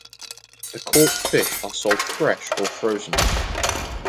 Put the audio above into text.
The caught fish are sold fresh or frozen.